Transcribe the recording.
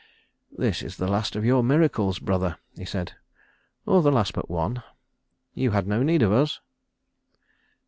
"This is the last of your miracles, brother," he said, "or the last but one. You had no need of us."